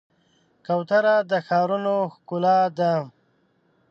کوتره د ښارونو ښکلا ده.